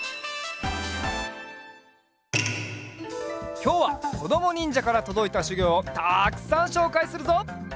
きょうはこどもにんじゃからとどいたしゅぎょうをたくさんしょうかいするぞ！